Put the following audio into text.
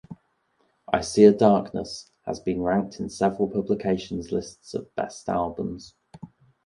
"I See a Darkness" has been ranked in several publications' lists of best albums.